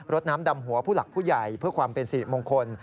ดน้ำดำหัวผู้หลักผู้ใหญ่เพื่อความเป็นสิริมงคล